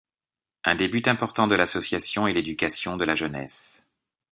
Un des buts importants de l'association est l'éducation de la jeunesse.